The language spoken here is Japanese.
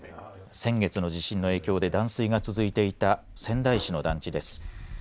先月の地震の影響で断水が続いていた仙台市の団地です。